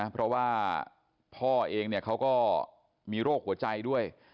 เพราะว่าพ่อเองเขาก็มีโรคหัวใจด้วย